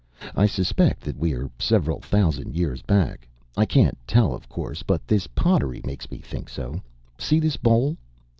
I suspect that we are several thousand years back. I can't tell, of course, but this pottery makes me think so. See this bowl?"